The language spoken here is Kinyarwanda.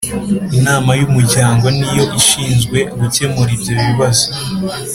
Inama y’ umuryango ni yo ishinzwe gukemura ibyo bibazo